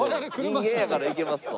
人間やからいけますわ。